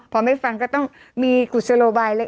พอไม่ฟังก็ต้องมีกุศโรไบน้อยน้อย